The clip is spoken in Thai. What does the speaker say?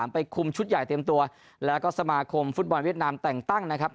ไปคุมชุดใหญ่เตรียมตัวแล้วก็สมาคมฟุตบอลเวียดนามแต่งตั้งนะครับ